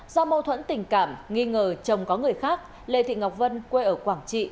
do mâu thuẫn tình cảm nghi ngờ chồng có người khác lê thị ngọc vân quê ở quảng trị